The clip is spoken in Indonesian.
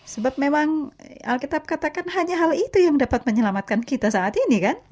sebab memang alketab katakan hanya hal itu yang dapat menyelamatkan kita saat ini kan